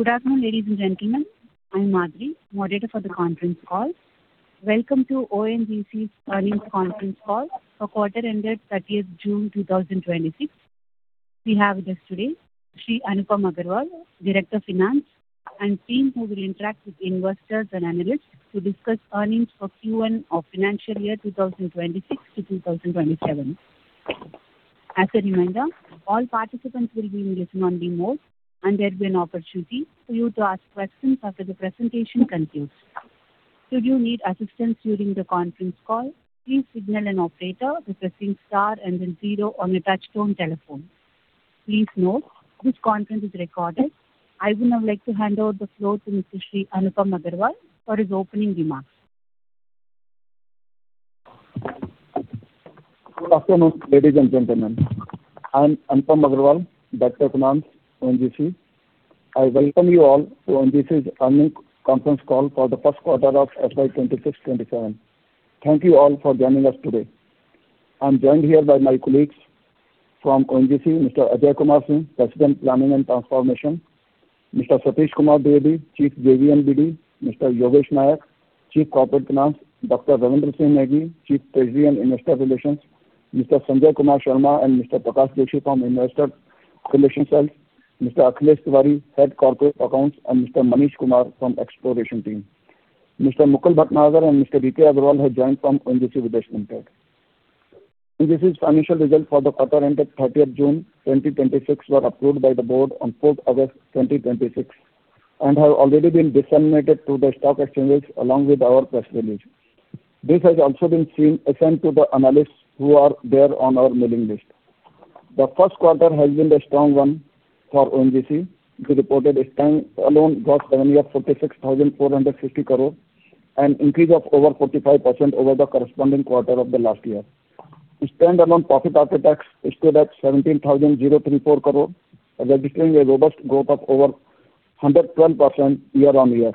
Good afternoon, ladies and gentlemen. I'm Madhuri, moderator for the conference call. Welcome to ONGC's earnings conference call for quarter ended 30th June 2026. We have with us today Shri Anupam Agarwal, Director Finance, and team, who will interact with investors and analysts to discuss earnings for Q1 of financial year 2026 to 2027. As a reminder, all participants will be in listen-only mode, and there'll be an opportunity for you to ask questions after the presentation concludes. Should you need assistance during the conference call, please signal an operator by pressing star and then zero on your touchtone telephone. Please note, this conference is recorded. I would now like to hand over the floor to Shri Anupam Agarwal for his opening remarks. Good afternoon, ladies and gentlemen. I'm Anupam Agarwal, Director Finance, ONGC. I welcome you all to ONGC's earnings conference call for the first quarter of FY 2026-2027. Thank you all for joining us today. I'm joined here by my colleagues from ONGC, Mr. Ajay Kumar Singh, President, Planning and Transformation; Mr. Satish Kumar Dwivedi, Chief JV and BD; Mr. Yogesh Nayak, Chief Corporate Finance; Dr. Ravinder Singh Negi, Chief Treasury and Investor Relations; Mr. Sanjay Kumar Sharma and Mr. Prakash Desh from Investor Relations Cell; Mr. Akhilesh Tiwari, Head Corporate Accounts; and Mr. Manish Kumar from Exploration Team. Mr. Mukul Bhatnagar and Mr. VK Agarwal have joined from ONGC Videsh Limited. ONGC's financial results for the quarter ended 30th June 2026 were approved by the board on 4th August 2026 and have already been disseminated to the stock exchanges along with our press release. This has also been sent to the analysts who are there on our mailing list. The first quarter has been a strong one for ONGC, which reported its standalone revenue of 46,450 crore, an increase of over 45% over the corresponding quarter of the last year. The standalone profit after tax stood at INR 17,034 crore, registering a robust growth of over 112% year-on-year.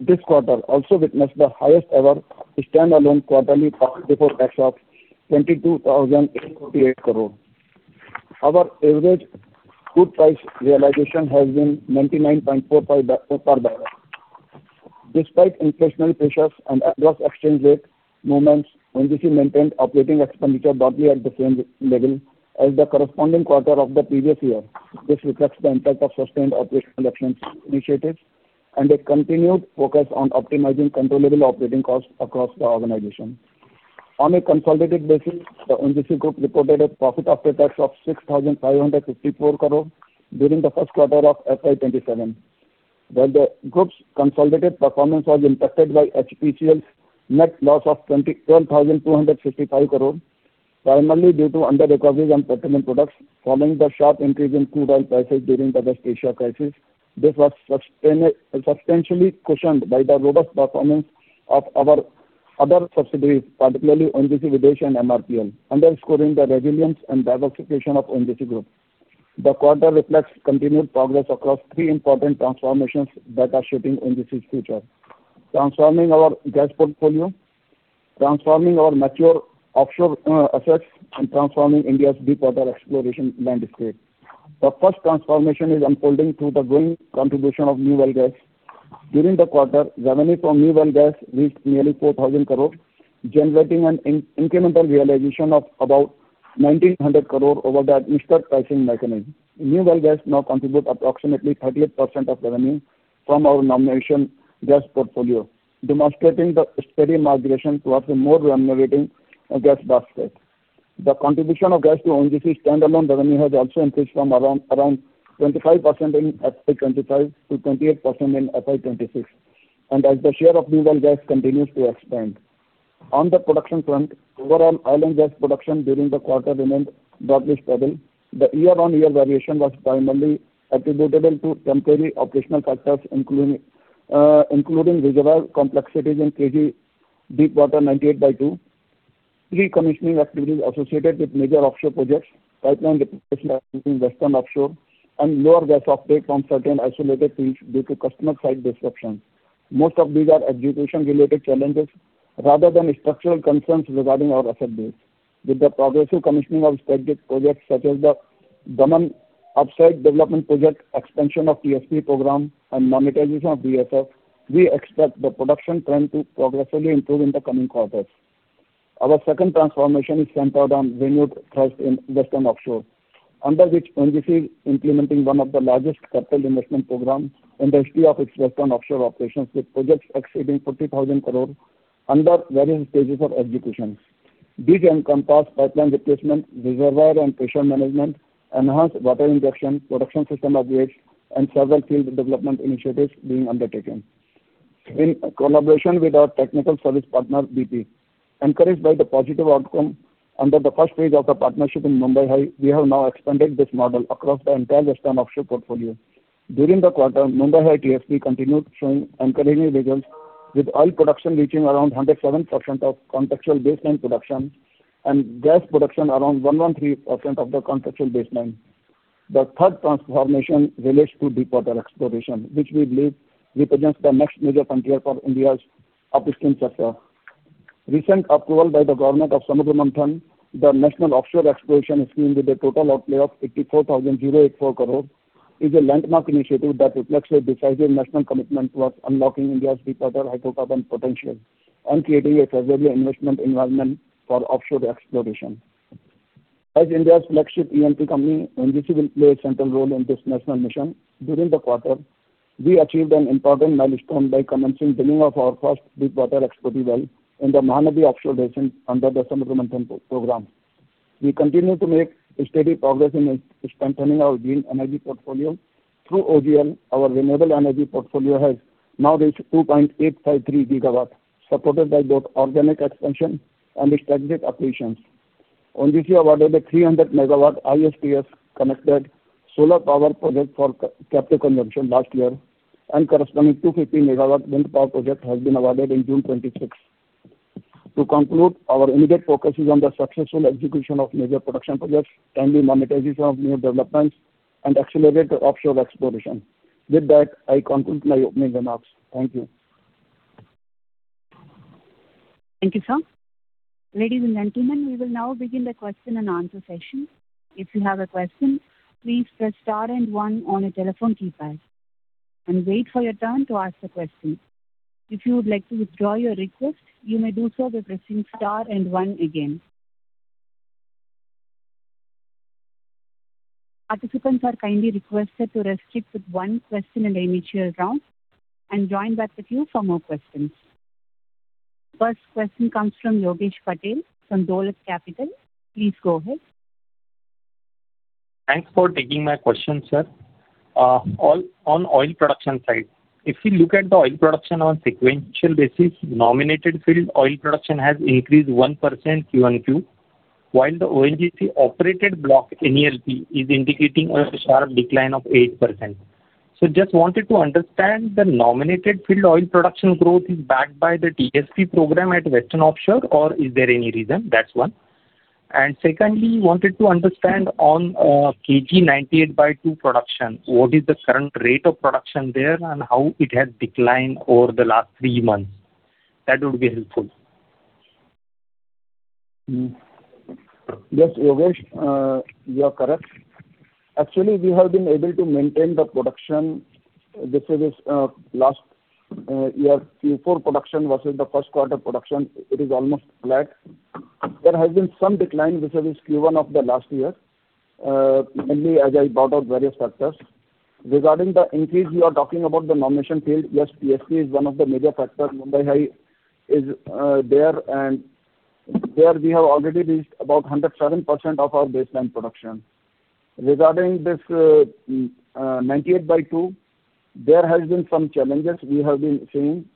This quarter also witnessed the highest ever standalone quarterly profit before tax of INR 22,848 crore. Our average crude price realization has been $99.45. Despite inflationary pressures and adverse exchange rate movements, ONGC maintained operating expenditure broadly at the same level as the corresponding quarter of the previous year. This reflects the impact of sustained operational excellence initiatives and a continued focus on optimizing controllable operating costs across the organization. On a consolidated basis, the ONGC group reported a profit after tax of 6,554 crore during the first quarter of FY 2027. While the group's consolidated performance was impacted by HPCL's net loss of 21,255 crore, primarily due to under-recoveries on petroleum products following the sharp increase in crude oil prices during the West Asia crisis. This was substantially cushioned by the robust performance of our other subsidiaries, particularly ONGC Videsh and MRPL, underscoring the resilience and diversification of ONGC group. The quarter reflects continued progress across three important transformations that are shaping ONGC's future. Transforming our gas portfolio, transforming our mature offshore assets, and transforming India's deepwater exploration landscape. The first transformation is unfolding through the growing contribution of new well gas. During the quarter, revenue from new well gas reached nearly 4,000 crore, generating an incremental realization of about 1,900 crore over the administered pricing mechanism. New well gas now contributes approximately 38% of revenue from our nomination gas portfolio, demonstrating the steady migration towards a more remunerating gas basket. The contribution of gas to ONGC's standalone revenue has also increased from around 25% in FY 2025 to 28% in FY 2026, and as the share of new well gas continues to expand. On the production front, overall oil and gas production during the quarter remained broadly stable. The year-on-year variation was primarily attributable to temporary operational factors including reservoir complexities in KG-DWN-98/2, pre-commissioning activities associated with major offshore projects, pipeline replacements in western offshore, and lower gas offtake from certain isolated fields due to customer site disruptions. Most of these are execution-related challenges rather than structural concerns regarding our asset base. With the progressive commissioning of strategic projects such as the Daman Upside Development Project, expansion of TSP program, and monetization of VSF, we expect the production trend to progressively improve in the coming quarters. Our second transformation is centered on renewed thrust in western offshore, under which ONGC is implementing one of the largest capital investment programs in the history of its western offshore operations, with projects exceeding 40,000 crore under various stages of execution. These encompass pipeline replacement, reservoir and pressure management, enhanced water injection, production system upgrades, and several field development initiatives being undertaken in collaboration with our technical service partner, BP. Encouraged by the positive outcome under the first phase of the partnership in Mumbai High, we have now expanded this model across the entire western offshore portfolio. During the quarter, Mumbai High TSP continued showing encouraging results, with oil production reaching around 107% of contractual baseline production and gas production around 113% of the contractual baseline. The third transformation relates to deepwater exploration, which we believe represents the next major frontier for India's upstream sector. Recent approval by the government of Samudra Manthan, the national offshore exploration scheme with a total outlay of 84,084 crore, is a landmark initiative that reflects a decisive national commitment towards unlocking India's deep water hydrocarbon potential and creating a favorable investment environment for offshore exploration. As India's flagship E&P company, ONGC will play a central role in this national mission. During the quarter, we achieved an important milestone by commencing drilling of our first deep water exploratory well in the Mahanadi Offshore Basin under the Samudra Manthan program. We continue to make steady progress in strengthening our green energy portfolio. Through OGL, our renewable energy portfolio has now reached 2.853 GW, supported by both organic expansion and strategic acquisitions. ONGC awarded a 300 MW ISTS connected solar power project for captive consumption last year, and corresponding 250 MW wind power project has been awarded in June 2026. To conclude, our immediate focus is on the successful execution of major production projects, timely monetization of new developments, and accelerated offshore exploration. With that, I conclude my opening remarks. Thank you. Thank you, sir. Ladies and gentlemen, we will now begin the question and answer session. If you have a question, please press star and one on your telephone keypad and wait for your turn to ask the question. If you would like to withdraw your request, you may do so by pressing star and one again. Participants are kindly requested to restrict with one question in the initial round and join back the queue for more questions. First question comes from Yogesh Patil from Dolat Capital. Please go ahead. Thanks for taking my question, sir. On oil production side, if you look at the oil production on sequential basis, nominated field oil production has increased 1% QOQ, while the ONGC operated block NELP is indicating a sharp decline of 8%. Just wanted to understand the nominated field oil production growth is backed by the TSP program at Western Offshore, or is there any reason? That's one. Secondly, wanted to understand on KG-DWN-98/2 production, what is the current rate of production there and how it has declined over the last three months? That would be helpful. Yes, Yogesh, you are correct. Actually, we have been able to maintain the production vis-a-vis last year Q4 production versus the first quarter production, it is almost flat. There has been some decline vis-a-vis Q1 of the last year, mainly as I brought out various factors. Regarding the increase you are talking about the nomination field, yes, TSP is one of the major factors. Mumbai High is there, and there we have already reached about 107% of our baseline production. Regarding this KG-DWN-98/2, there has been some challenges we have been seeing,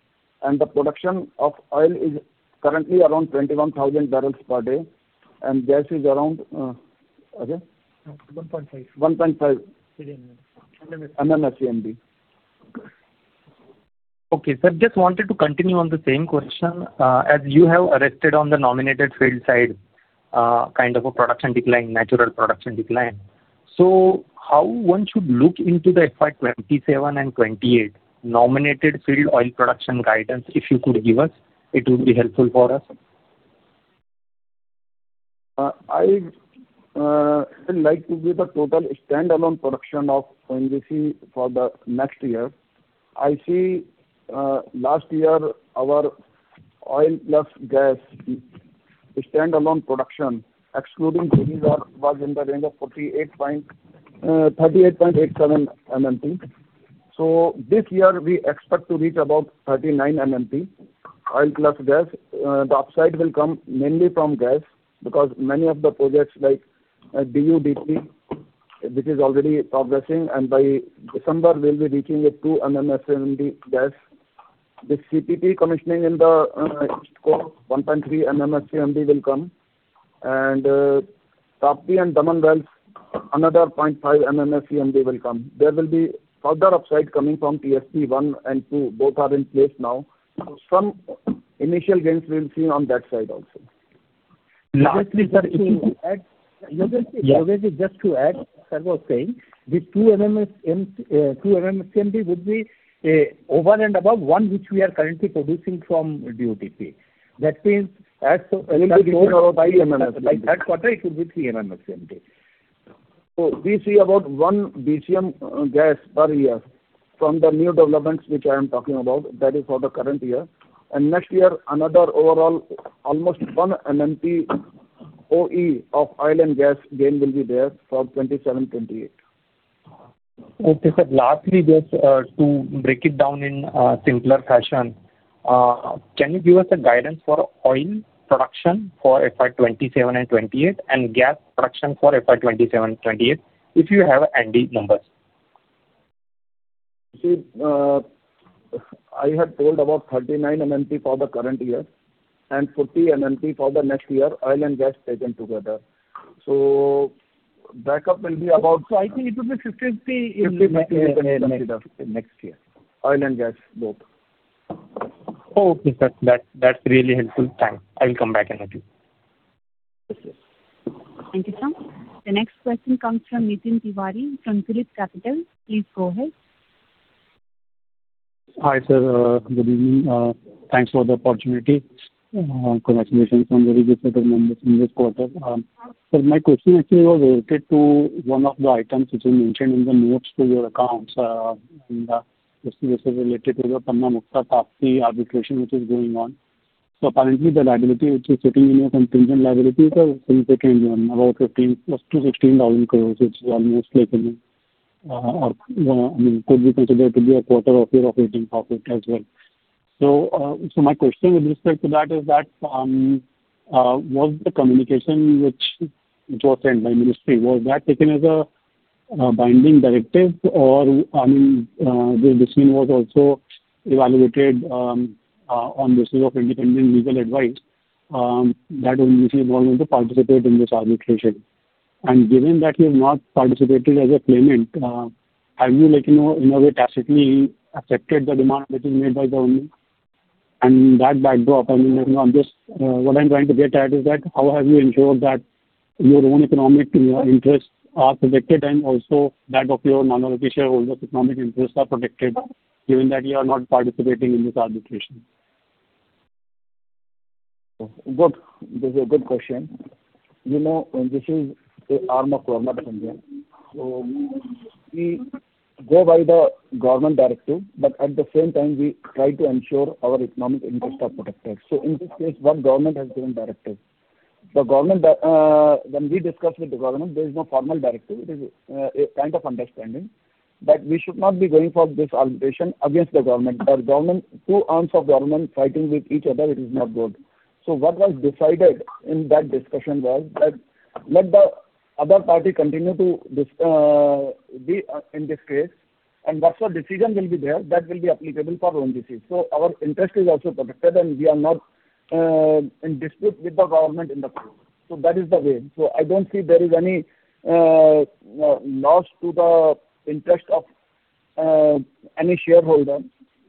and the production of oil is currently around 21,000 bbl per day and gas is around. Again? 1.5. 1.5- MMSCMD. MMSCMD. Okay. Sir, just wanted to continue on the same question. As you have arrested on the nominated field side, kind of a production decline, natural production decline. How one should look into that pipeline, FY 2027 and 2028 nominated field oil production guidance, if you could give us, it would be helpful for us. I would like to give the total standalone production of ONGC for the next year. I see last year our oil plus gas standalone production, excluding, was in the range of 38.87 MMT. This year we expect to reach about 39 MMT, oil plus gas. The upside will come mainly from gas because many of the projects like DUDP, which is already progressing, and by December we'll be reaching a 2 MMSCMD gas. The CPP commissioning in the east coast, 1.3 MMSCMD will come, and Tapti and Daman wells, another 0.5 MMSCMD will come. There will be further upside coming from TSP 1 and 2, both are in place now. Some initial gains we've seen on that side also. Lastly, sir, if we could add- Yogesh, just to add, sir was saying the 2 MMSCMD would be over and above one which we are currently producing from DUDP. That means as it will be more by MMSCMD. By third quarter, it will be 3 MMSCMD. We see about 1 BCM gas per year from the new developments which I am talking about, that is for the current year. Next year, another overall almost 1 Mtoe of oil and gas gain will be there for 2027, 2028. Okay, sir. Lastly, just to break it down in a simpler fashion, can you give us a guidance for oil production for FY 2027 and FY 2028 and gas production for FY 2027 and FY 2028, if you have any numbers? I have told about 39 Mtoe for the current year and 40 Mtoe for the next year, oil and gas taken together. I think it will be 50/50 in next year. 50/50 we can consider next year. Oil and gas, both. Okay. That's really helpful. Thanks. I will come back another day. Yes, sir. Thank you, sir. The next question comes from Nitin Tiwari from PhillipCapital. Please go ahead. Hi, sir. Good evening. Thanks for the opportunity. Congratulations on very good set of numbers in this quarter. Sir, my question actually was related to one of the items which is mentioned in the notes to your accounts, and this is related to the Panna-Mukta and Tapti arbitration which is going on. Apparently the liability which is sitting in your contingent liability is a significant one, about 15,000 crore-16,000 crore, which is almost like, could be considered to be a quarter of your operating profit as well. My question with respect to that is that, was the communication which was sent by ministry, was that taken as a binding directive or, I mean, the decision was also evaluated on receipt of independent legal advice that ONGC involvement to participate in this arbitration. Given that you have not participated as a claimant, have you in a way tacitly accepted the demand which is made by the government? In that backdrop, what I'm trying to get at is that how have you ensured that your own economic interests are protected and also that of your minority shareholder economic interests are protected given that you are not participating in this arbitration? Good. This is a good question. This is an arm of government in India. We go by the government directive, but at the same time, we try to ensure our economic interests are protected. In this case, what government has given directive. When we discussed with the government, there is no formal directive. It is a kind of understanding that we should not be going for this arbitration against the government. Two arms of government fighting with each other, it is not good. What was decided in that discussion was that let the other party continue to be in this case, and whatsoever decision will be there, that will be applicable for ONGC. Our interest is also protected, and we are not in dispute with the government in the court. That is the way. I don't see there is any loss to the interest of any shareholder.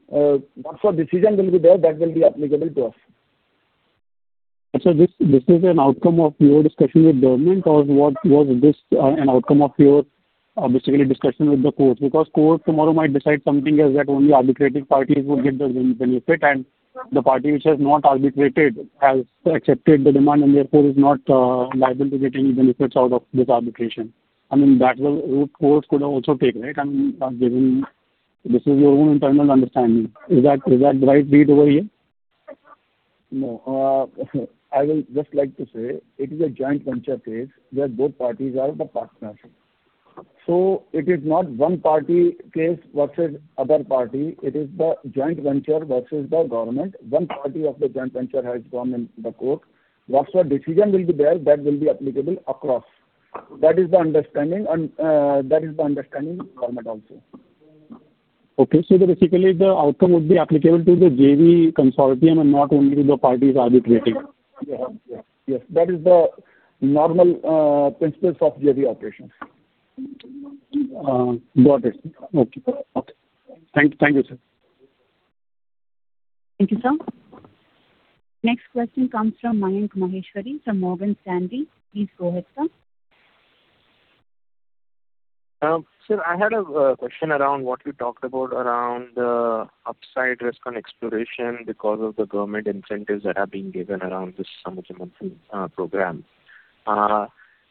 Whatsoever decision will be there, that will be applicable to us. This is an outcome of your discussion with government or was this an outcome of your basically discussion with the court? Court tomorrow might decide something else that only arbitrating parties would get the benefit and the party which has not arbitrated has accepted the demand and therefore is not liable to get any benefits out of this arbitration. That route court could have also taken it, and given this is your own internal understanding. Is that right read over here? No. I will just like to say, it is a joint venture case where both parties are the partners. It is not one party case versus other party, it is the joint venture versus the government. One party of the joint venture has gone in the court. Whatsoever decision will be there, that will be applicable across. That is the understanding, and that is the understanding of government also. Okay. Basically, the outcome would be applicable to the JV consortium and not only the parties arbitrating. Yeah. That is the normal principles of JV operation. Got it. Okay. Thank you, sir. Thank you, sir. Next question comes from Mayank Maheshwari from Morgan Stanley. Please go ahead, sir. Sir, I had a question around what you talked about around the upside risk on exploration because of the government incentives that have been given around this Samudra Manthan program.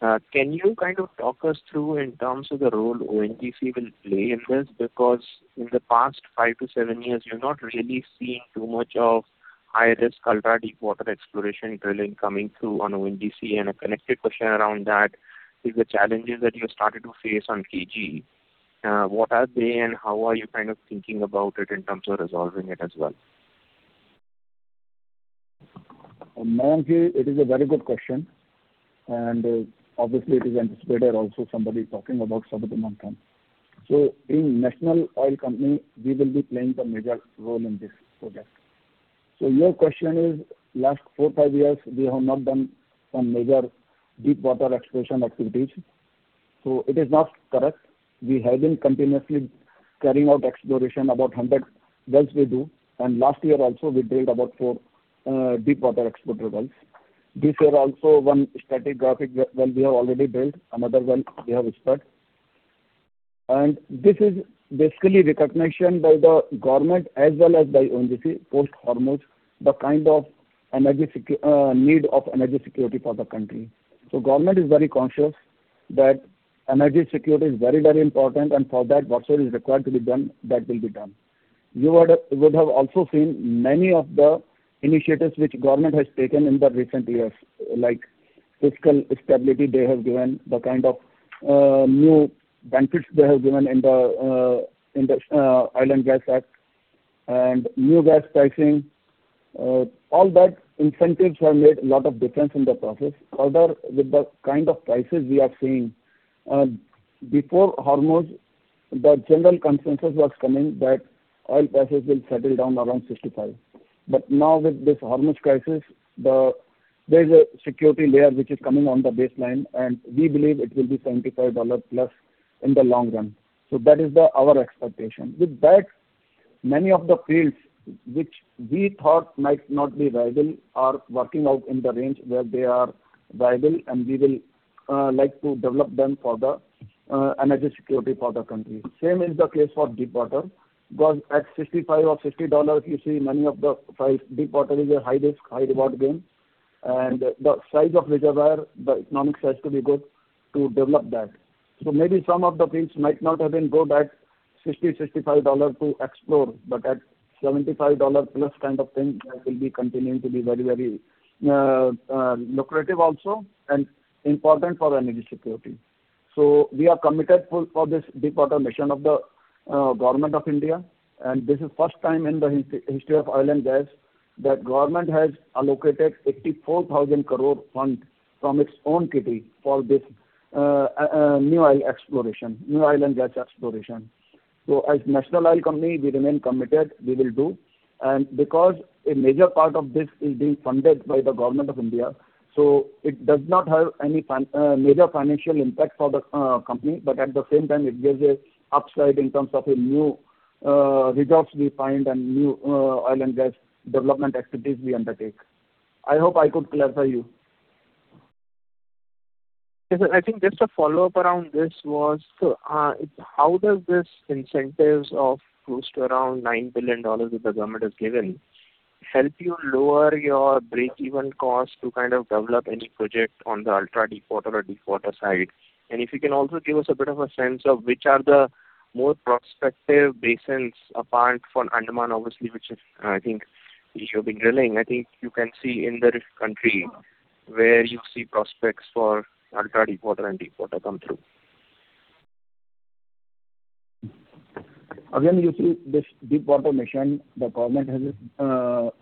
Can you kind of talk us through in terms of the role ONGC will play in this? Because in the past five to seven years, you're not really seeing too much of high risk, ultra deep water exploration drilling coming through on ONGC. A connected question around that is the challenges that you started to face on KG. What are they and how are you kind of thinking about it in terms of resolving it as well? Mayank, it is a very good question, obviously it is anticipated also somebody talking about Samudra Manthan term. Being national oil company, we will be playing the major role in this project. Your question is last four, five years, we have not done some major deep water exploration activities. It is not correct. We have been continuously carrying out exploration, about 100 wells we do. Last year also we drilled about four deep water exploratory wells. This year also one stratigraphic well we have already drilled, another well we have explored. This is basically recognition by the government as well as by ONGC post Hormuz, the kind of need of energy security for the country. Government is very conscious that energy security is very, very important, and for that, whatsoever is required to be done, that will be done. You would have also seen many of the initiatives which government has taken in the recent years, like fiscal stability they have given, the kind of new benefits they have given in the Oil and Gas Act and new gas pricing. All that incentives have made a lot of difference in the process. Further, with the kind of prices we are seeing, before Hormuz, the general consensus was coming that oil prices will settle down around $65. Now with this Hormuz crisis, there's a security layer which is coming on the baseline, and we believe it will be $75+ in the long run. That is our expectation. With that, many of the fields which we thought might not be viable are working out in the range where they are viable, and we will like to develop them for the energy security for the country. Same is the case for deep water, because at $55 or $60, you see many of the deep water is a high risk, high reward game, and the size of reserve where the economics has to be good to develop that. Maybe some of the fields might not have been good at $60, $65 to explore, but at $75+ kind of thing, that will be continuing to be very lucrative also, and important for energy security. We are committed for this Deep Ocean Mission of the Government of India. This is first time in the history of oil and gas that government has allocated 84,000 crore fund from its own kitty for this new oil and gas exploration. As national oil company, we remain committed, we will do. Because a major part of this is being funded by the Government of India, it does not have any major financial impact for the company. At the same time, it gives a upside in terms of a new reserves we find and new oil and gas development activities we undertake. I hope I could clarify you. Yes, sir. I think just a follow-up around this was, how does this incentives of close to around $9 billion that the government has given help you lower your break-even cost to kind of develop any project on the ultra deepwater or deepwater side? If you can also give us a bit of a sense of which are the more prospective basins apart from Andaman, obviously, which I think you have been drilling. I think you can see in the country where you see prospects for ultra deepwater and deepwater come through. You see this Deep Ocean Mission the government has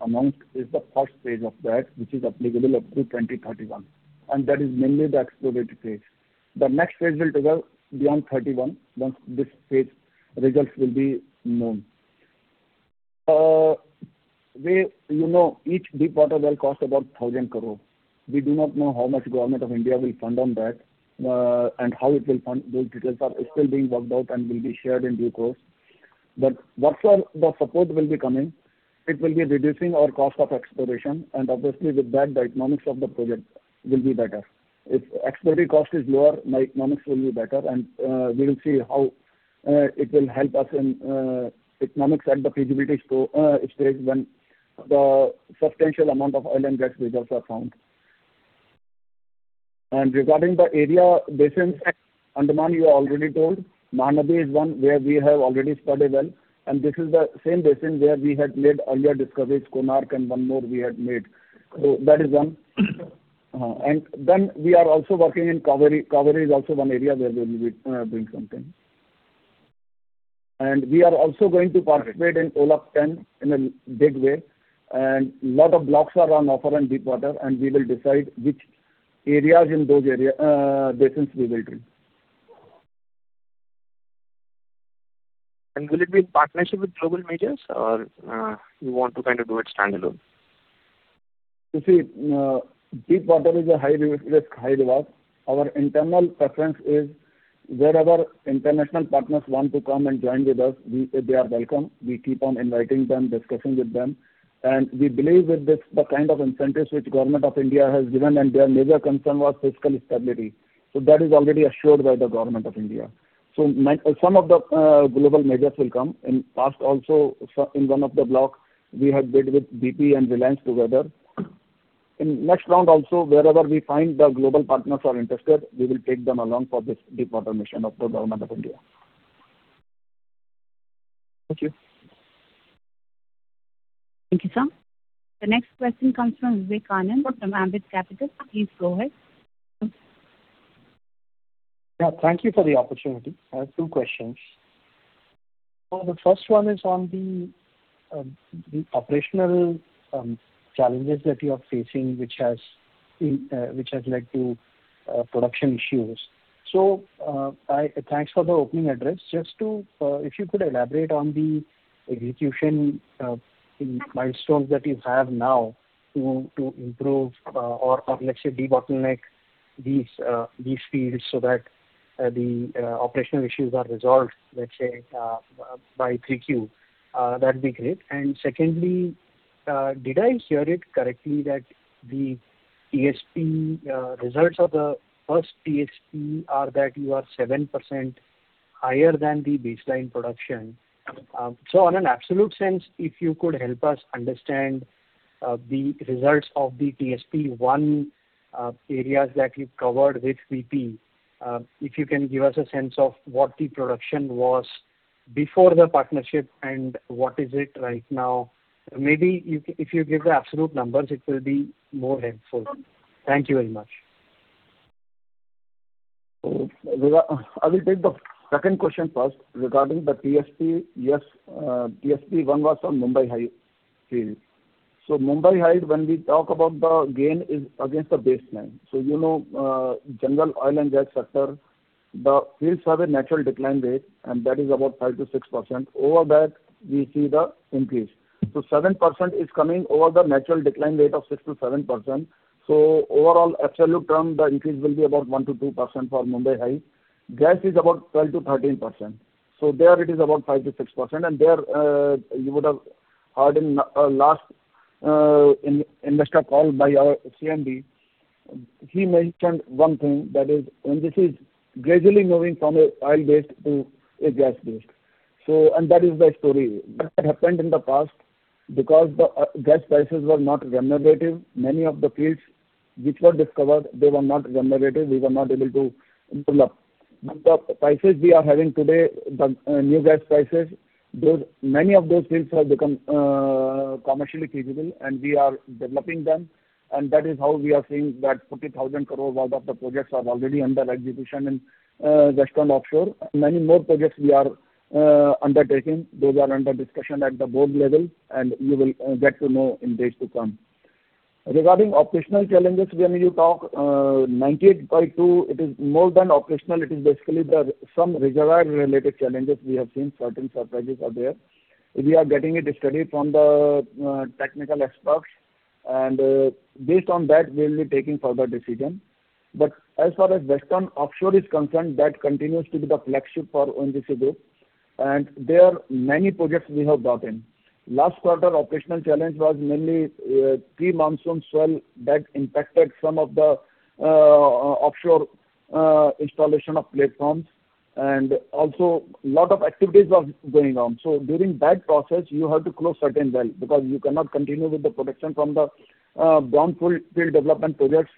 announced is the first phase of that, which is applicable up to 2031, and that is mainly the explorative phase. The next phase will develop beyond 2031, once this phase results will be known. Each deepwater well costs about 1,000 crore. We do not know how much Government of India will fund on that, and how it will fund. Those details are still being worked out and will be shared in due course. Whatsoever the support will be coming, it will be reducing our cost of exploration. Obviously with that, the economics of the project will be better. If exploratory cost is lower, my economics will be better. We will see how it will help us in economics and the feasibility stage when the substantial amount of oil and gas reserves are found. Regarding the area basins at Andaman, you are already told Mahanadi is one where we have already spud a well, and this is the same basin where we had made earlier discoveries, Konark and one more we had made. That is one. We are also working in Kaveri. Kaveri is also one area where we will be doing something. We are also going to participate in OALP 10 in a big way, and lot of blocks are on offer in deepwater, and we will decide which areas in those basins we will drill. Will it be in partnership with global majors or you want to kind of do it standalone? You see, deepwater is a high risk, high reward. Our internal preference is wherever international partners want to come and join with us, they are welcome. We keep on inviting them, discussing with them. We believe with this, the kind of incentives which Government of India has given and their major concern was fiscal stability. That is already assured by the Government of India. Some of the global majors will come. In past also, in one of the block we had bid with BP and Reliance together. In next round also, wherever we find the global partners are interested, we will take them along for this deepwater mission of the Government of India. Thank you. Thank you, Sam. The next question comes from [Vivekanand] from Ambit Capital. Please go ahead. Yeah. Thank you for the opportunity. I have two questions. The first one is on the operational challenges that you are facing, which has led to production issues. Thanks for the opening address. Just if you could elaborate on the execution milestones that you have now to improve or let's say, debottleneck these fields so that the operational issues are resolved, let's say, by 3Q, that'd be great. Secondly, did I hear it correctly that the results of the first TSP are that you are 7% higher than the baseline production? On an absolute sense, if you could help us understand the results of the TSP 1 areas that you've covered with BP. If you can give us a sense of what the production was before the partnership and what is it right now. Maybe if you give the absolute numbers, it will be more helpful. Thank you very much. Vivek, I will take the second question first regarding the TSP. Yes, TSP 1 was on Mumbai High Field. Mumbai High, when we talk about the gain is against the baseline. You know general oil and gas sector, the fields have a natural decline rate, and that is about 5%-6%. Over that, we see the increase. 7% is coming over the natural decline rate of 6%-7%. Overall absolute term, the increase will be about 1%-2% for Mumbai High. Gas is about 12%-13%. There it is about 5%-6%, and there you would have heard in the staff call by our CMD, he mentioned one thing, that is ONGC is gradually moving from an oil-based to a gas-based. That is the story. That happened in the past because the gas prices were not remunerative. Many of the fields which were discovered, they were not remunerative. We were not able to develop. With the prices we are having today, the new gas prices, many of those fields have become commercially feasible, and we are developing them, and that is how we are seeing that 40,000 crore worth of the projects are already under execution in Western Offshore. Many more projects we are undertaking. Those are under discussion at the board level, and you will get to know in days to come. Regarding operational challenges, when you talk KG-DWN-98/2, it is more than operational. It is basically some reservoir-related challenges. We have seen certain surprises are there. We are getting it studied from the technical experts, and based on that, we'll be taking further decision. As far as Western Offshore is concerned, that continues to be the flagship for ONGC Group, and there are many projects we have brought in. Last quarter, operational challenge was mainly pre-monsoon swell that impacted some of the offshore installation of platforms, and also lot of activities was going on. During that process, you have to close certain wells because you cannot continue with the production from the brownfield field development projects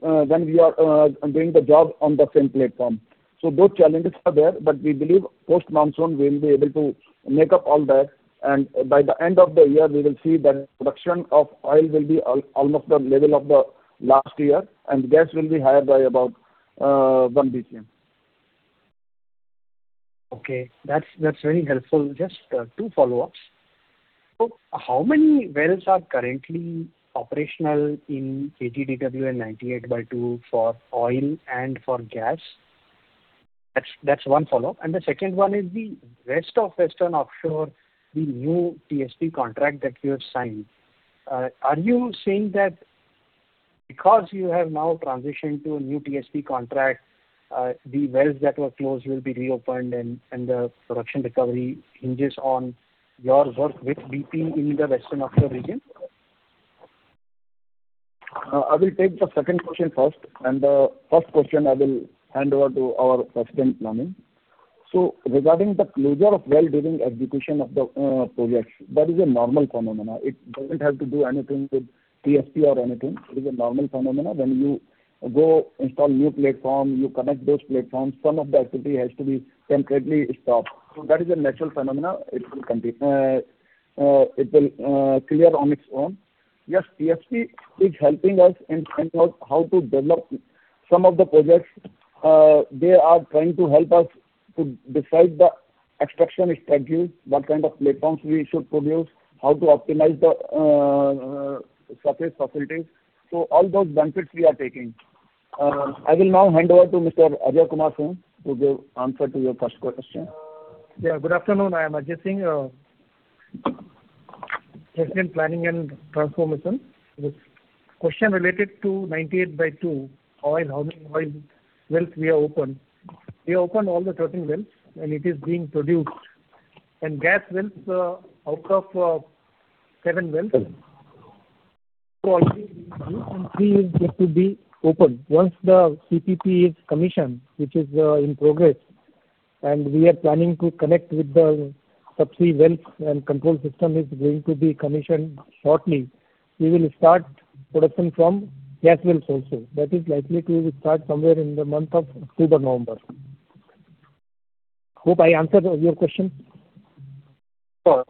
when we are doing the job on the same platform. Those challenges are there, but we believe post-monsoon, we will be able to make up all that, and by the end of the year, we will see that production of oil will be almost the level of the last year, and gas will be higher by about 1 BCM. Okay. That's very helpful. Just two follow-ups. How many wells are currently operational in KG-DWN-98/2 for oil and for gas? That's one follow-up. The second one is the rest of Western Offshore, the new TSP contract that you have signed. Are you saying that because you have now transitioned to a new TSP contract, the wells that were closed will be reopened and the production recovery hinges on your work with BP in the Western Offshore region? I will take the second question first, and the first question I will hand over to our president planning. Regarding the closure of well during execution of the projects, that is a normal phenomenon. It doesn't have to do anything with TSP or anything. It is a normal phenomenon. When you go install new platform, you connect those platforms, some of the activity has to be temporarily stopped. That is a natural phenomenon. It will clear on its own. Yes, TSP is helping us in finding out how to develop some of the projects. They are trying to help us to decide the extraction schedule, what kind of platforms we should produce, how to optimize the surface facilities. All those benefits we are taking. I will now hand over to Mr. Ajay Kumar Singh to give answer to your first question. Yeah, good afternoon. I am Ajay Singh, President, Planning and Transformation. Question related to KG-DWN-98/2. Oil, how many oil wells we have opened. We opened all the 13 wells, it is being produced. Gas wells, out of seven wells, two are being produced, and three is yet to be opened. Once the CPP is commissioned, which is in progress, we are planning to connect with the subsea wells, and control system is going to be commissioned shortly. We will start production from gas wells also. That is likely to start somewhere in the month of October, November. Hope I answered your question. Sure.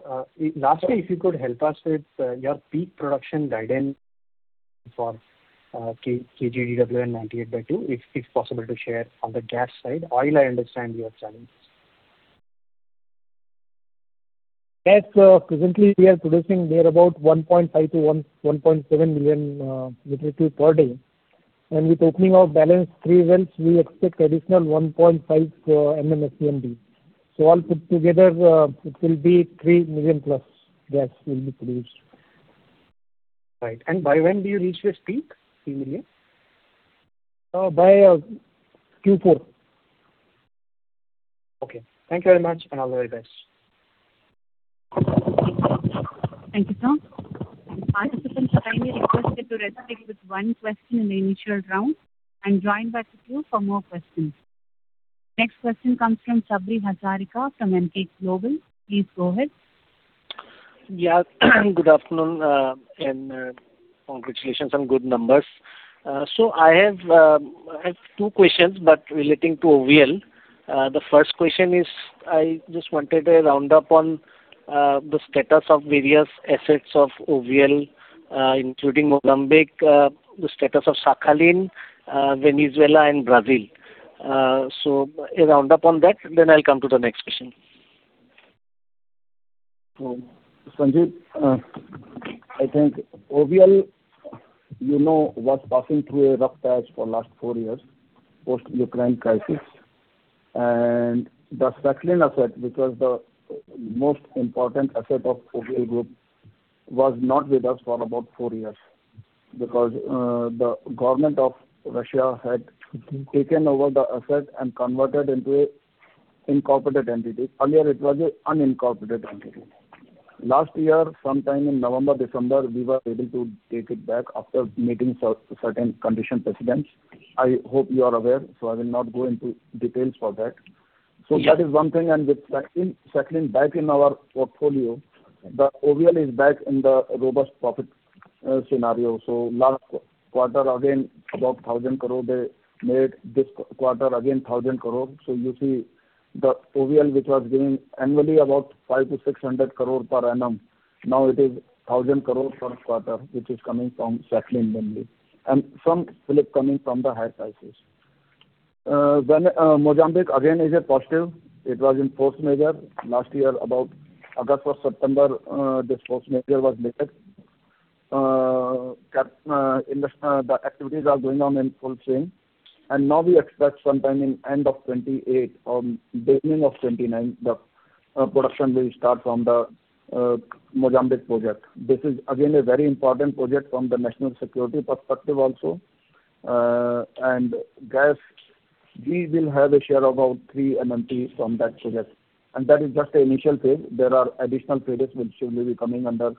Lastly, if you could help us with your peak production guidance for KG-DWN-98/2, if possible to share on the gas side. Oil, I understand your challenges. Gas, presently we are producing there about 1.5 million to 1.7 million cubic feet per day. With opening of balance three wells, we expect additional 1.5 MMSCMD. All put together, it will be 3+ million gas will be produced. Right. By when do you reach your peak, 3 million? By Q4. Okay. Thank you very much, and all the very best. Thank you, sir. Participants are kindly requested to restrict with one question in the initial round and join back the queue for more questions. Next question comes from Sabri Hazarika from Emkay Global. Please go ahead. Yeah. Good afternoon, and congratulations on good numbers. I have two questions, but relating to OVL. The first question is, I just wanted a roundup on the status of various assets of OVL, including Mozambique, the status of Sakhalin, Venezuela and Brazil. A roundup on that, then I'll come to the next question. Sabri, I think OVL was passing through a rough patch for last four years, post Ukraine crisis. The Sakhalin asset, which was the most important asset of OVL Group, was not with us for about four years. The government of Russia had taken over the asset and converted into an incorporated entity. Earlier, it was an unincorporated entity. Last year, sometime in November, December, we were able to take it back after meeting certain condition precedents. I hope you are aware, I will not go into details for that. Yeah. That is one thing, with Sakhalin back in our portfolio, OVL is back in the robust profit scenario. Last quarter, again, above 1,000 crore, they made this quarter again 1,000 crore. You see OVL, which was giving annually about 500 crore-600 crore per annum, now it is 1,000 crore per quarter, which is coming from Sakhalin mainly, and some flip coming from the higher prices. Mozambique, again, is a positive. It was in force majeure. Last year, about August or September, this force majeure was lifted. The activities are going on in full swing, and now we expect sometime in end of 2028 or beginning of 2029, the production will start from the Mozambique project. This is again a very important project from the national security perspective also. Gas, we will have a share of about 3 MMT from that project. That is just the initial phase. There are additional phases which will be coming under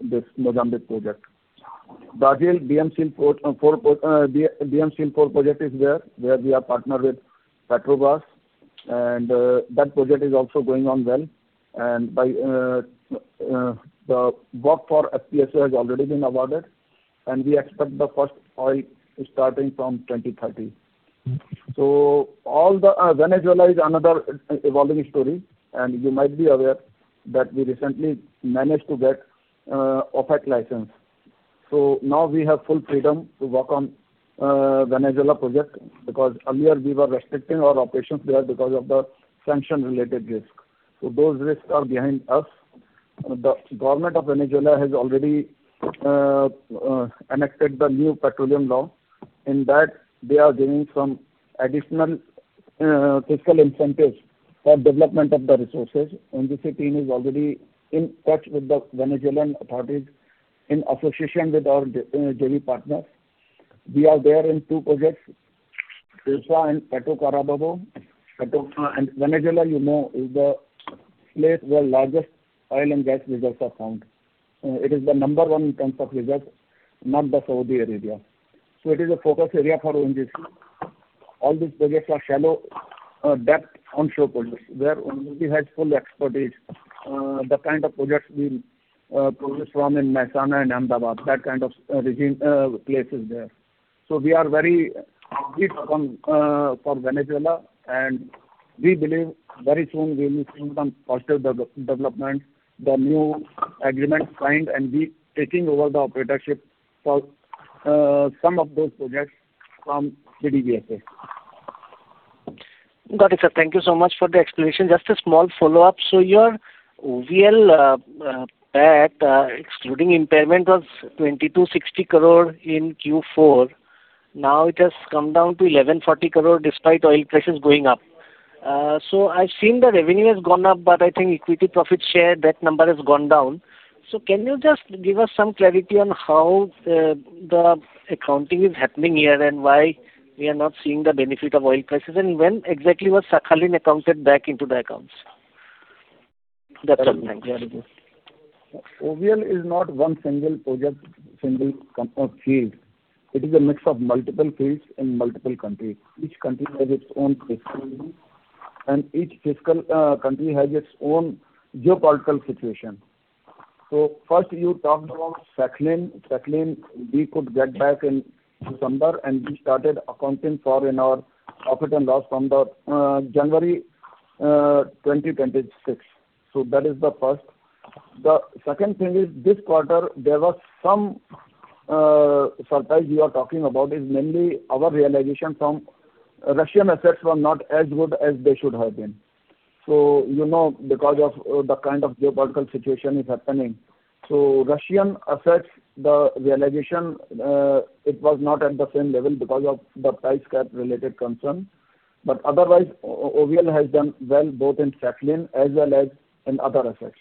this Mozambique project. Brazil BM-C-30 project is there. There we are partnered with Petrobras, that project is also going on well. The work for FPSO has already been awarded, and we expect the first oil starting from 2030. Venezuela is another evolving story, you might be aware that we recently managed to get OFAC license. Now we have full freedom to work on Venezuela project earlier we were restricting our operations there because of the sanction-related risk. Those risks are behind us. The government of Venezuela has already enacted the new petroleum law. In that, they are giving some additional fiscal incentives for development of the resources. ONGC team is already in touch with the Venezuelan authorities in association with our JV partner. We are there in two projects, Perla and Petrocarabobo. Venezuela, you know, is the place where largest oil and gas reserves are found. It is the number one in terms of reserves, not Saudi Arabia. It is a focus area for ONGC. All these projects are shallow depth onshore projects where ONGC has full expertise. The kind of projects we progress from in Mehsana and Ahmedabad, that kind of region, places there. We are very upbeat on for Venezuela, and we believe very soon we will see some positive development, the new agreement signed, and we taking over the operatorship for some of those projects from PDVSA. Got it, sir. Thank you so much for the explanation. Just a small follow-up. Your OVL PAT excluding impairment was 2,260 crore in Q4. Now it has come down to 1,140 crore despite oil prices going up. I've seen the revenue has gone up, but I think equity profit share, that number has gone down. Can you just give us some clarity on how the accounting is happening here and why we are not seeing the benefit of oil prices, and when exactly was Sakhalin accounted back into the accounts? That's all. Thank you. Very good. OVL is not one single project, single field. It is a mix of multiple fields in multiple countries. Each country has its own fiscal regime, and each fiscal country has its own geopolitical situation. First you talked about Sakhalin. Sakhalin we could get back in December, and we started accounting for in our profit and loss from the January 2026. That is the first. The second thing is this quarter, there was some surprise you are talking about is mainly our realization from Russian assets were not as good as they should have been. You know, because of the kind of geopolitical situation is happening. Russian assets, the realization, it was not at the same level because of the price cap related concern. Otherwise, OVL has done well both in Sakhalin as well as in other assets.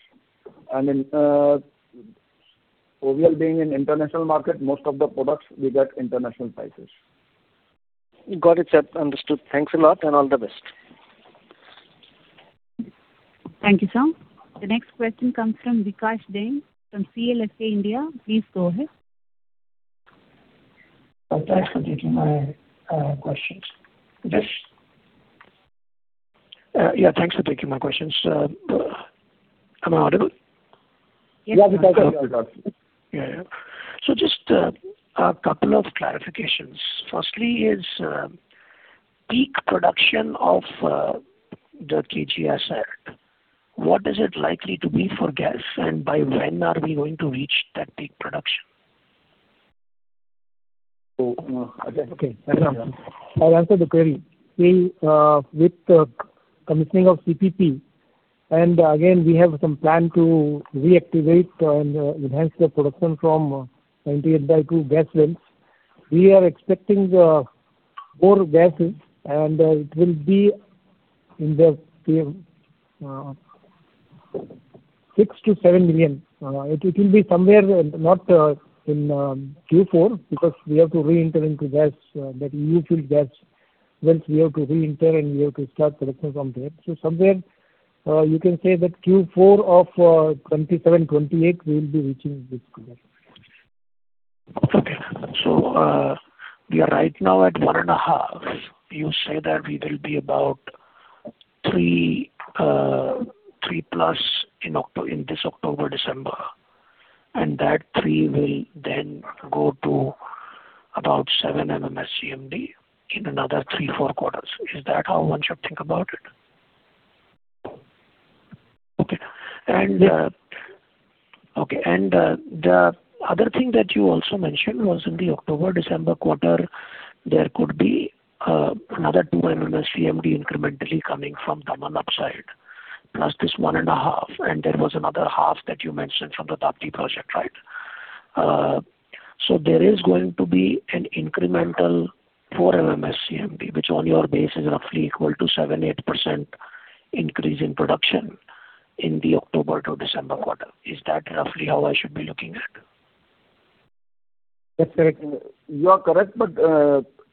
In OVL being an international market, most of the products we get international prices. Got it, sir. Understood. Thanks a lot, and all the best. Thank you, sir. The next question comes from Vikash Jain from CLSA India. Please go ahead. Thanks for taking my questions. Yes. Am I audible? Yes. Yeah, Vikash. Yeah. Just a couple of clarifications. Firstly is peak production of the KG asset. What is it likely to be for gas, and by when are we going to reach that peak production? Okay. I'll answer the query. With the commissioning of CPP, we have some plan to reactivate and enhance the production from KG-DWN-98/2 gas wells. We are expecting more gas, it will be in the 6 million-7 million. It will be somewhere not in Q4 because we have to re-enter into gas, that E field gas, once we have to re-enter and we have to start production from there. Somewhere, you can say that Q4 of 2027, 2028, we'll be reaching this goal. Okay. We are right now at 1.5 MMSCMD. You say that we will be about 3+ in this October, December, that 3 MMSCMD will go to about 7 MMSCMD in another three to four quarters. Is that how one should think about it? Okay. The other thing that you also mentioned was in the October-December quarter, there could be another 2 MMSCMD incrementally coming from Daman upside, plus this 1.5 MMSCMD, and there was another 0.5 MMSCMD that you mentioned from the Tapti project, right? There is going to be an incremental 4 MMSCMD, which on your base is roughly equal to 7%-8% increase in production in the October to December quarter. Is that roughly how I should be looking at? That's correct. You are correct,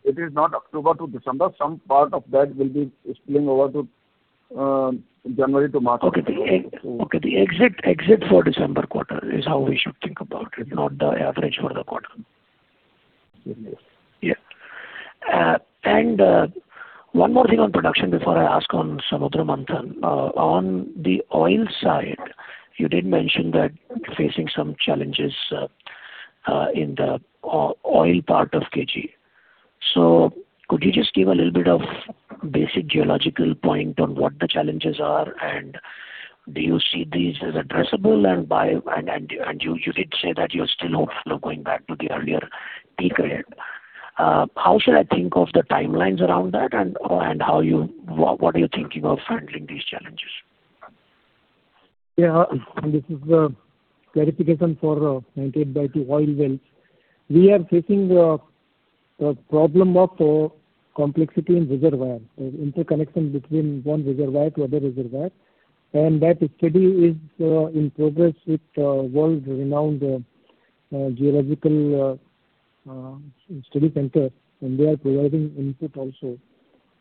it is not October to December. Some part of that will be spilling over to January to March. Okay. The exit for December quarter is how we should think about it, not the average for the quarter. Yes. One more thing on production before I ask on Samudra Manthan. On the oil side, you did mention that facing some challenges in the oil part of KG. Could you just give a little bit of basic geological point on what the challenges are, and do you see these as addressable? You did say that you're still hopeful of going back to the earlier peak rate. How should I think of the timelines around that, and what are you thinking of handling these challenges? This is a clarification for KG-DWN-98/2 oil wells. We are facing the problem of complexity in reservoir. There's interconnection between one reservoir to other reservoir. That study is in progress with a world-renowned geological study center, and they are providing input also.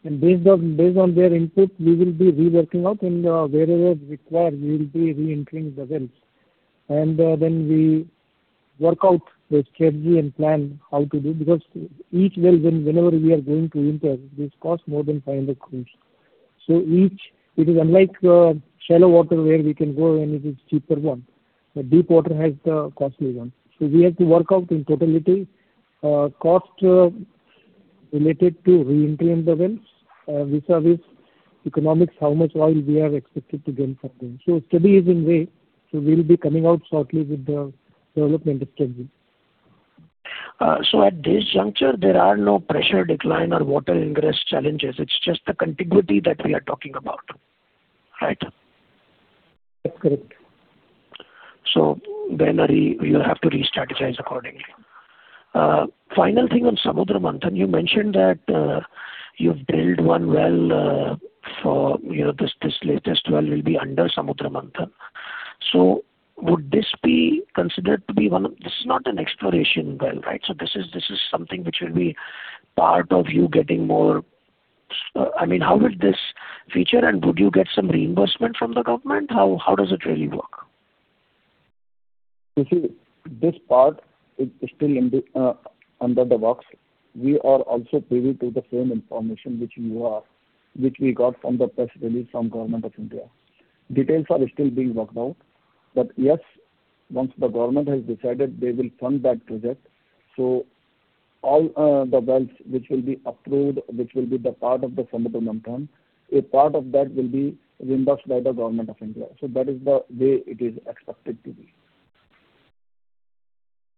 Based on their input, we will be reworking out. Wherever required, we will be re-entering the wells. Then we work out the strategy and plan how to do, because each well, whenever we are going to enter, this costs more than 500 crore. Each, it is unlike shallow water where we can go and it is cheaper one. The deep water has the costly one. We have to work out in totality, cost related to re-entering the wells, vis-a-vis economics, how much oil we have expected to gain from them. Study is in way. We'll be coming out shortly with the development of schedule. At this juncture, there are no pressure decline or water ingress challenges. It is just the contiguity that we are talking about, right? That is correct. You have to re-strategize accordingly. Final thing on Samudra Manthan, you mentioned that you have drilled one well. This latest well will be under Samudra Manthan. Would this be considered to be... This is not an exploration well, right? This is something which will be part of you getting more. How would this feature, and would you get some reimbursement from the government? How does it really work? You see, this part is still under the box. We are also privy to the same information which you are, which we got from the press release from Government of India. Details are still being worked out, yes, once the government has decided, they will fund that project. All the wells which will be approved, which will be the part of the Samudra Manthan, a part of that will be reimbursed by the Government of India. That is the way it is expected to be.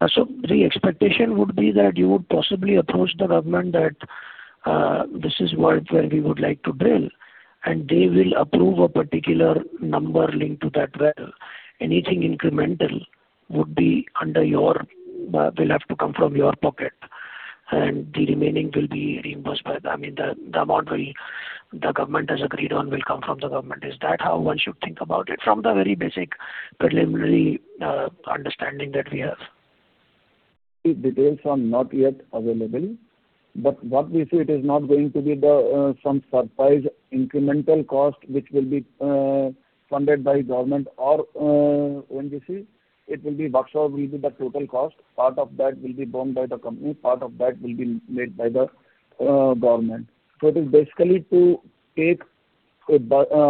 The expectation would be that you would possibly approach the government that this is where we would like to drill, and they will approve a particular number linked to that well. Anything incremental will have to come from your pocket, and the remaining will be reimbursed by the amount the government has agreed on will come from the government. Is that how one should think about it from the very basic preliminary understanding that we have? The details are not yet available, but what we see, it is not going to be some surprise incremental cost which will be funded by government or ONGC. It will be wholesale, will be the total cost. Part of that will be borne by the company, part of that will be made by the government. It is basically to take a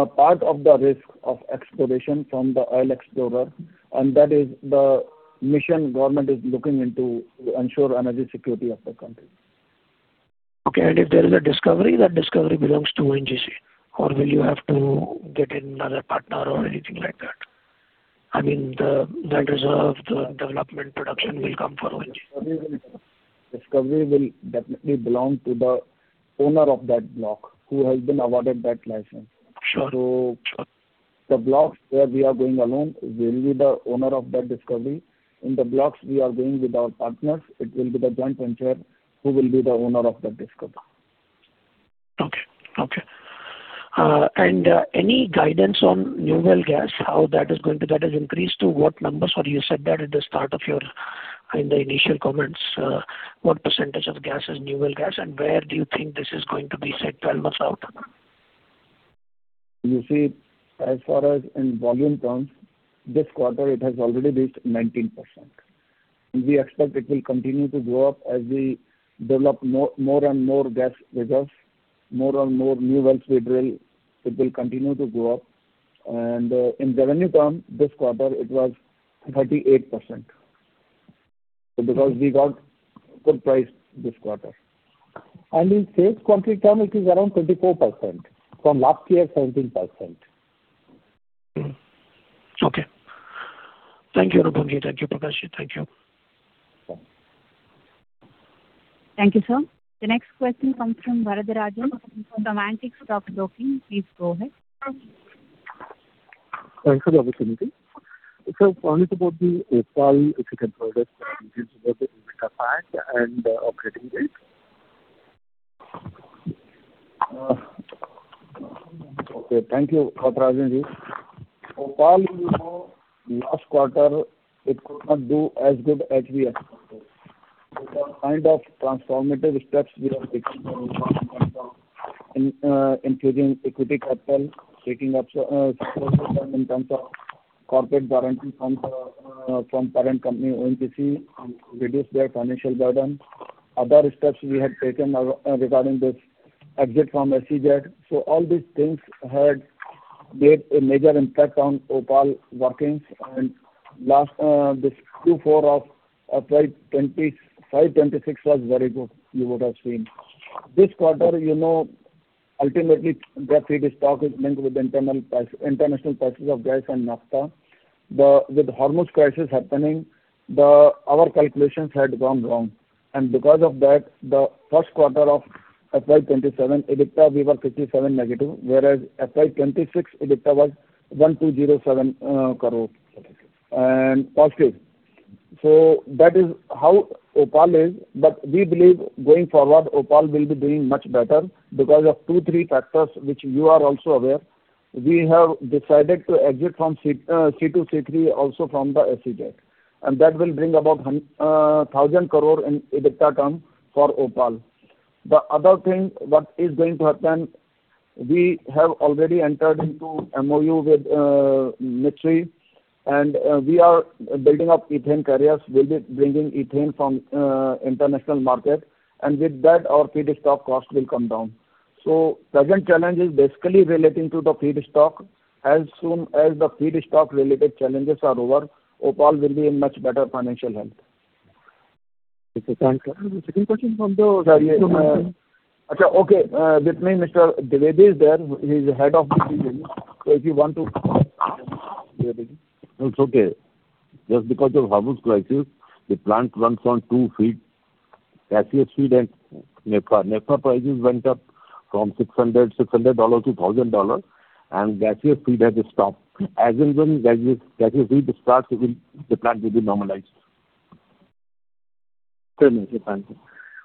part of the risk of exploration from the oil explorer, and that is the mission government is looking into to ensure energy security of the country. Okay. If there is a discovery, that discovery belongs to ONGC, or will you have to get another partner or anything like that? The reserve, the development production will come for ONGC. Discovery will definitely belong to the owner of that block, who has been awarded that license. Sure. The blocks where we are going alone, we'll be the owner of that discovery. In the blocks we are going with our partners, it will be the joint venture who will be the owner of the discovery. Okay. Any guidance on new well gas, how that is going to increase, to what numbers? You said that in the initial comments. What percent of gas is new well gas, and where do you think this is going to be, say, 12 months out? You see, as far as in volume terms, this quarter, it has already reached 19%. We expect it will continue to go up as we develop more and more gas reserves, more and more new wells we drill, it will continue to go up. In revenue term, this quarter, it was 38%. Because we got good price this quarter. In sales quantity term, it is around 24%, from last year, 17%. Okay. Thank you, everybody. Thank you. Thank you, sir. The next question comes from Bharath Rajan from Antique Stock Broking. Please go ahead. Thanks for the opportunity. Sir, first about the OPaL, if you can throw light on EBITDA fact and operating rate. Okay. Thank you, Bharath Rajan. OPaL, you know, last quarter, it could not do as good as we expected. Kind of transformative steps we have taken in terms of including equity capital, taking up in terms of corporate guarantee from parent company, ONGC, and reduce their financial burden. Other steps we had taken regarding this exit from SEZ. All these things had made a major impact on OPaL workings. This Q4 of FY 2025, FY 2026 was very good, you would have seen. This quarter, ultimately, their feedstock is linked with international prices of gas and naphtha. With the Hormuz crisis happening, our calculations had gone wrong. Because of that, the first quarter of FY 2027, EBITDA, we were 57 negative, whereas FY 2026, EBITDA was 1,207 crore positive. That is how OPaL is. We believe, going forward, OPaL will be doing much better because of two, three factors, which you are also aware. We have decided to exit from C2, C3, also from the SEZ. That will bring about 1,000 crore in EBITDA term for OPaL. The other thing, what is going to happen, we have already entered into MOU with Mitsui O.S.K. Lines, and we are building up ethane carriers. We'll be bringing ethane from international market, and with that, our feedstock cost will come down. Present challenge is basically relating to the feedstock. As soon as the feedstock related challenges are over, OPaL will be in much better financial health. Okay, thank you. Second question from. Okay. With me, Mr. Dwivedi is there. He's the head. If you want to Dwivedi. It's okay. Just because of Hormuz crisis, the plant runs on two feed, gaseous feed and naphtha. Naphtha prices went up from $600 to $1,000. Gaseous feed has stopped. As and when gaseous feed starts, the plant will be normalized. Okay. Thank you.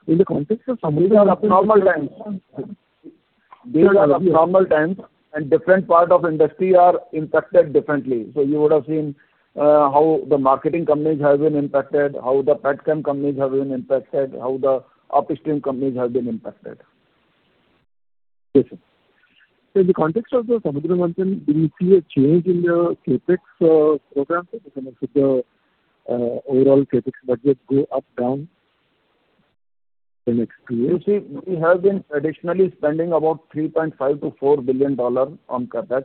In the context of. These are abnormal times. Different part of industry are impacted differently. You would have seen how the marketing companies have been impacted, how the petchem companies have been impacted, how the upstream companies have been impacted. Yes, sir. In the context of the Samudra Manthan, do you see a change in your CapEx program? Does the overall CapEx budget go up, down in next two years? You see, we have been traditionally spending about INR 3.5 billion-INR 4 billion on CapEx.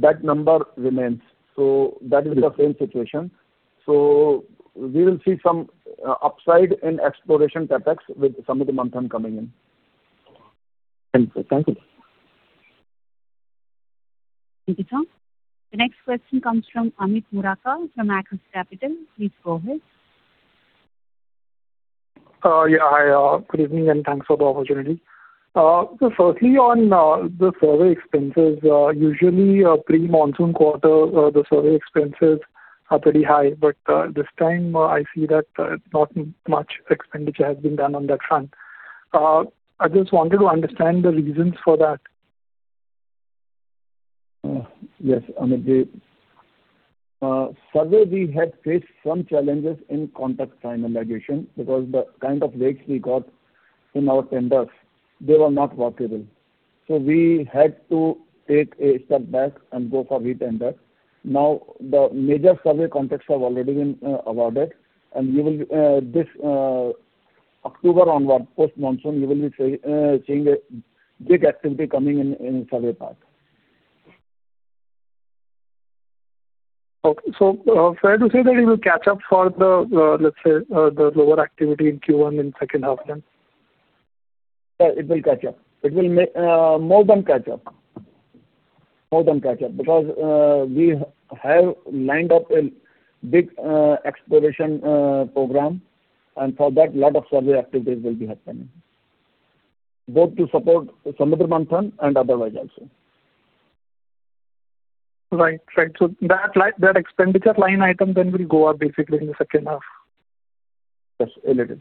That number remains. That is the same situation. We will see some upside in exploration CapEx with Samudra Manthan coming in. Thank you, sir. Thank you, sir. The next question comes from Amit Murarka from Axis Capital. Please go ahead. Yeah. Hi. Thanks for the opportunity. Firstly, on the survey expenses, usually pre-monsoon quarter, the survey expenses are pretty high. This time, I see that not much expenditure has been done on that front. I just wanted to understand the reasons for that. Yes, Amit. Survey, we had faced some challenges in contract finalization because the kind of rates we got in our tenders, they were not workable. We had to take a step back and go for re-tender. The major survey contracts have already been awarded, and this October onward, post-monsoon, you will be seeing a big activity coming in survey part. Okay. Fair to say that you will catch up for the, let's say, the lower activity in Q1 in second half then? Yeah, it will catch up. It will more than catch up, because we have lined up a big exploration program, and for that, lot of survey activities will be happening, both to support Samudra Manthan and otherwise also. Right. That expenditure line item then will go up basically in the second half. Yes, it will.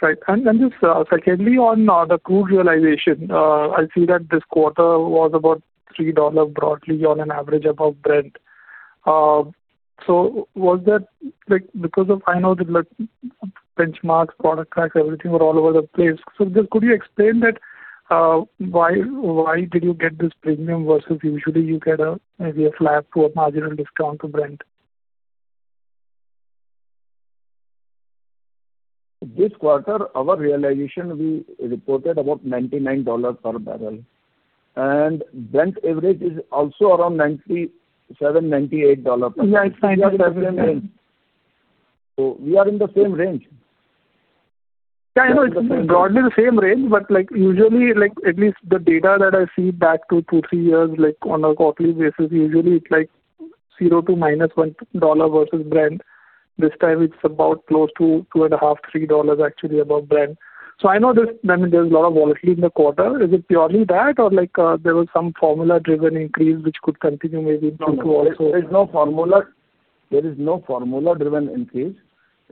Right. Then just secondly, on the crude realization, I see that this quarter was about $3 broadly on an average above Brent. I know the benchmarks, product price, everything were all over the place. Could you explain that, why did you get this premium versus usually you get maybe a flat to a marginal discount to Brent? This quarter, our realization, we reported about $99 per bbl. Brent average is also around $97, $98 per bbl. Yeah. We are in the same range. Yeah, I know it's broadly the same range. Usually at least the data that I see back two, three years on a quarterly basis, usually it's 0 to -$1 versus Brent. This time it's about close to $2.5, $3 actually above Brent. I know there's a lot of volatility in the quarter. Is it purely that or there was some formula-driven increase which could continue maybe going through? No, there is no formula-driven increase.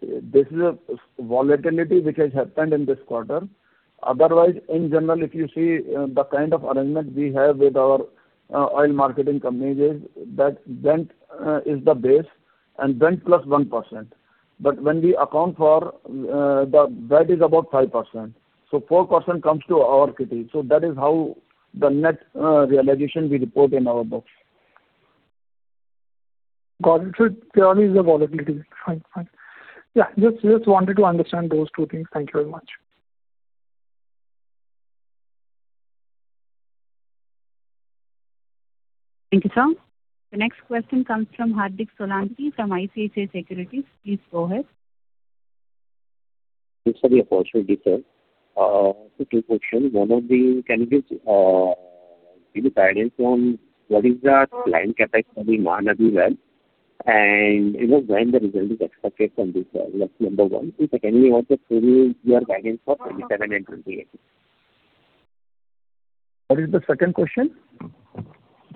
This is a volatility which has happened in this quarter. Otherwise, in general, if you see the kind of arrangement we have with our oil marketing companies, that Brent is the base and Brent +1%. That is about 5%. 4% comes to our kitty. That is how the net realization we report in our books. Got it. It purely is the volatility. Fine. Just wanted to understand those two things. Thank you very much. Thank you, sir. The next question comes from Hardik Solanki, from ICICI Securities. Please go ahead. Thanks for the opportunity, sir. Two questions. Can you give guidance on what is the planned CapEx for the Mahanadi well, and when the result is expected from this well? That's number one. Secondly, what is your guidance for 2027 and 2028? What is the second question?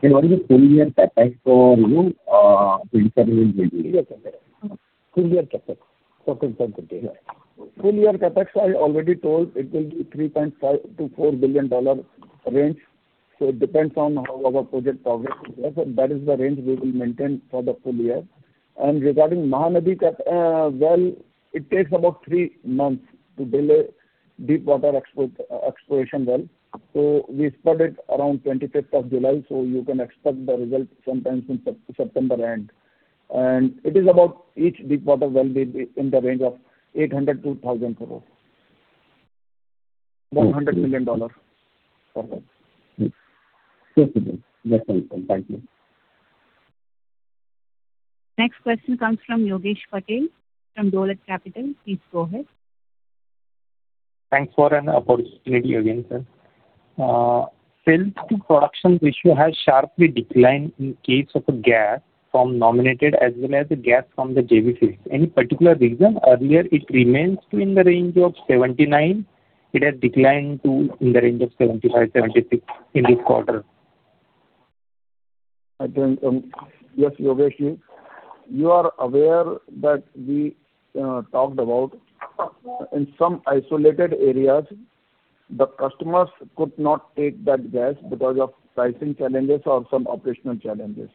What is the full year CapEx for 2027 and 2028? Okay, sir. Full year CapEx. For 2027, good day. Full year CapEx, I already told it will be $3.5 billion-$4 billion range. It depends on how our project progress is. That is the range we will maintain for the full year. Regarding Mahanadi well, it takes about three months to drill a deep water exploration well. We started around 25th of July, you can expect the result sometime in September end. It is about, each deep water well will be in the range of 800 crore-1,000 crore. $100 million per well. Clear, sir. That's helpful. Thank you. Next question comes from Yogesh Patil from Dolat Capital. Please go ahead. Thanks for an opportunity again, sir. Sales to production ratio has sharply declined in case of gas from nominated as well as the gas from the JV fields. Any particular reason? Earlier it remained in the range of 79%. It has declined to in the range of 75%-76% in this quarter. Yes, Yogesh. You are aware that we talked about, in some isolated areas, the customers could not take that gas because of pricing challenges or some operational challenges.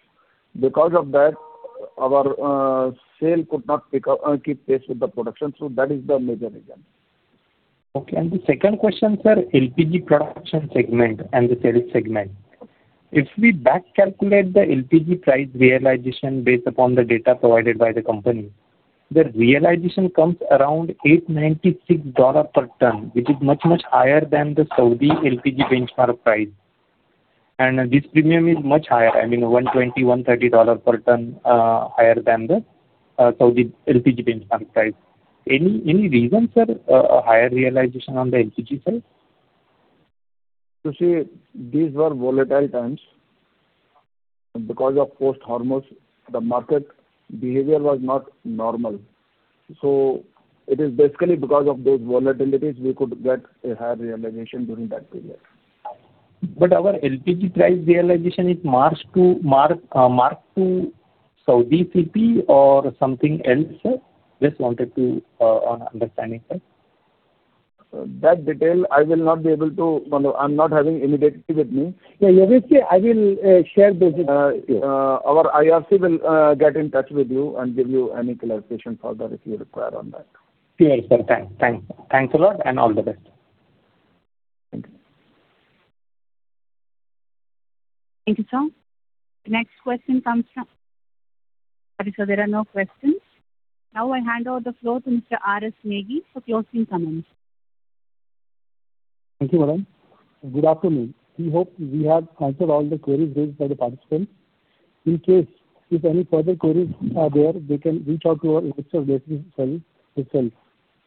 Because of that, our sale could not keep pace with the production. That is the major reason. Okay. The second question, sir, LPG production segment and the sales segment. If we back calculate the LPG price realization based upon the data provided by the company, the realization comes around $896 per ton, which is much, much higher than the Saudi LPG benchmark price. This premium is much higher. I mean $120, $130 per ton higher than the Saudi LPG benchmark price. Any reason, sir, a higher realization on the LPG side? You see, these were volatile times. Because of post Hormuz, the market behavior was not normal. It is basically because of those volatilities we could get a higher realization during that period. Our LPG price realization is marked to Saudi CP or something else, sir? Just wanted an understanding, sir. That detail, I will not be able to. I'm not having any data with me. Yeah, obviously, I will share those with you. Our IRC will get in touch with you and give you any clarification further if you require on that. Clear, sir. Thanks a lot, and all the best. Thank you. Thank you, sir. Next question. There are no questions. Now I hand over the floor to Mr. R.S. Negi for closing comments. Thank you, madam. Good afternoon. We hope we have answered all the queries raised by the participants. In case if any further queries are there, they can reach out to our Investor Relations Cell itself.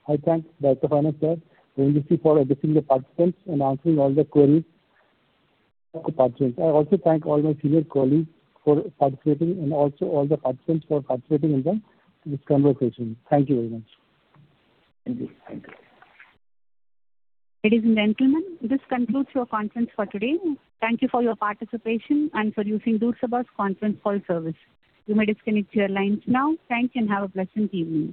I thank Director of Finance, sir, and you see for addressing the participants and answering all the queries of the participants. I also thank all my senior colleagues for participating, and also all the participants for participating in this conversation. Thank you very much. Thank you. Ladies and gentlemen, this concludes your conference for today. Thank you for your participation and for using Chorus Call's conference call service. You may disconnect your lines now. Thanks, and have a pleasant evening.